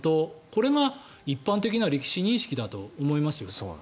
これが一般的な歴史認識だと思いますよ。